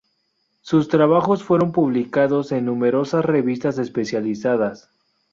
Sus trabajos fueron publicados en numerosas revistas especializadas.